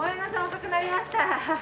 遅くなりました。